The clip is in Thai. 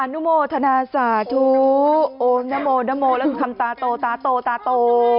นุโมทนาสาธุโอนโมนโมแล้วคำตาโตตาโตตาโต